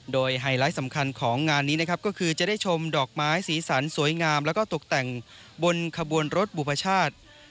โดยไฮไลท์สำคัญของงานนี้นะครับก็คือจะได้ชมดอกไม้สีสันสวยงามแล้วก็ตกแต่งบนขบวนรถบุพชาติ